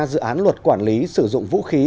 dự án luật quản lý sử dụng vũ khí